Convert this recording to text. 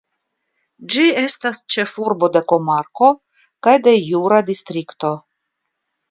Ĝi estas ĉefurbo de komarko kaj de jura distrikto.